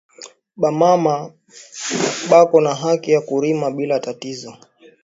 Ba mama beko na haki ya kurima bila tatizo